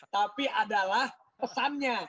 tapi adalah pesannya